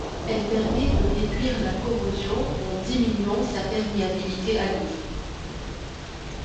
Elle permet de réduire la corrosion en diminuant sa perméabilité à l'eau.